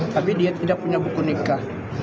tapi dia tidak punya buku nikah